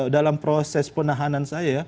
dalam proses penahanan saya